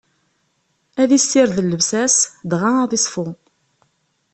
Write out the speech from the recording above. Ad issired llebsa-s, dɣa ad iṣfu.